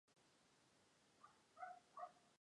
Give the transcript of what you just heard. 乾隆五十八年癸丑科二甲。